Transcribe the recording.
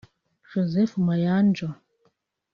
Joseph Mayanja